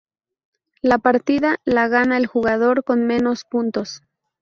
La partida la gana el jugador con menos puntos.